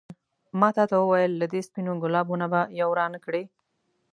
ما تا ته وویل له دې سپينو ګلابو نه به یو رانه کړې.